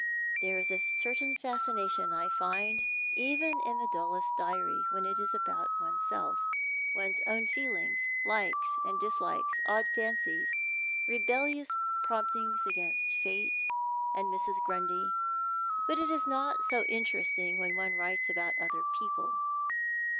There is a certain fascination, I find, even iu the dullest diary, when it is about one's self — one's own feelings, likes and dis likes, odd fancies, rebellious promptings against Fate and Mrs. Grundy ; but it is not so interesting when one writes about other people.